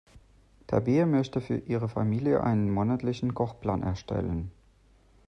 Tabea möchte für ihre Familie einen monatlichen Kochplan erstellen.